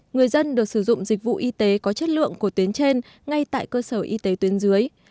người dân được sử dụng dịch vụ y tế có chất lượng của tuyến trên ngay tại cơ sở y tế tuyến dưới